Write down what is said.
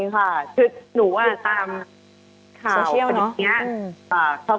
คือหนูว่าตาม